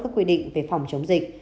các quy định về phòng chống dịch